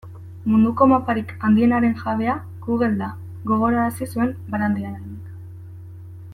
Munduko maparik handienaren jabea Google da, gogorarazi zuen Barandiaranek.